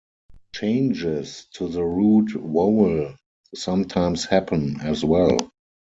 Changes to the root vowel sometimes happen, as well.